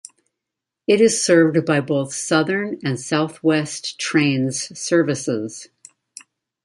It is served by both Southern and South West Trains services.